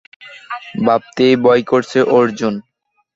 ভাবতেই ভয় করছে, অর্জুন।